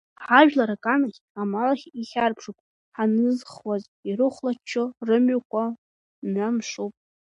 Ҳажәлар аганахь, амалахь ихьарԥшуп, ҳанызхуаз ирыхәлаччо рымҩақәа мҩа-мшуп.